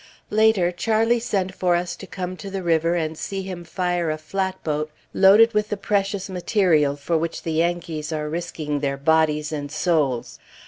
Later, Charlie sent for us to come to the river and see him fire a flatboat loaded with the precious material for which the Yankees are risking their bodies and souls.